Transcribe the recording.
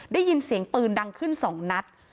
ได้ยินเสียงปืนดังขึ้น๒นัด